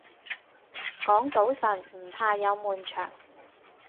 講早晨唔怕有悶場